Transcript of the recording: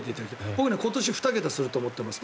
僕は今年２桁すると思っています。